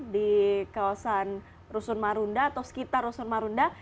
di kawasan rusun marunda atau sekitar rusun marunda